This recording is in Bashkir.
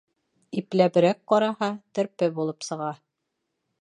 Ипләберәк ҡараһа, Терпе булып сыға.